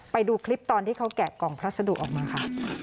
ไปดูคลิปตอนที่เขาแกะกล่องพัสดุออกมาค่ะ